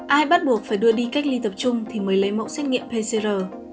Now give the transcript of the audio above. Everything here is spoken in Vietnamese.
ai bắt buộc phải đưa đi cách ly tập trung thì mới lấy mẫu xét nghiệm pcr